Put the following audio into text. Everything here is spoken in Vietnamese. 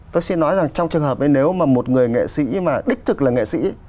tôi xin nói rằng trong trường hợp ấy nếu mà một người nghệ sĩ mà đích thực là nghệ sĩ